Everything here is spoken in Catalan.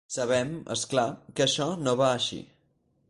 Sabem, és clar, que això no va així.